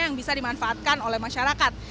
yang bisa dimanfaatkan oleh masyarakat